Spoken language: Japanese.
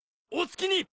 お着きに！